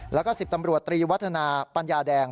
แล้วก็๑๐ตำรวจตรีวัฒนาปัญญาแดง